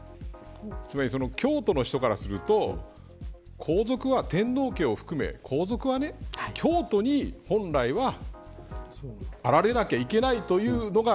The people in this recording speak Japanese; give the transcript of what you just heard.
つまり京都の人からすると皇族は、天皇家を含め皇族は、京都に本来はあられなきゃいけないというのが。